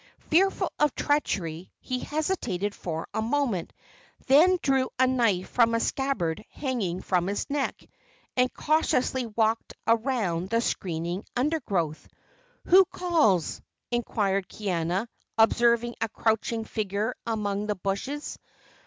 Fearful of treachery, he hesitated for a moment, then drew a knife from a scabbard hanging from his neck, and cautiously walked around the screening undergrowth. "Who calls?" inquired Kaiana, observing a crouching figure among the bushes.